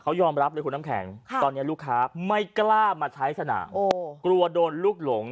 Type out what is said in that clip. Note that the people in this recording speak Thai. เขายอมรับเลยคุณน้ำแข็งตอนนี้ลูกค้าไม่กล้ามาใช้สนามกลัวโดนลูกหลง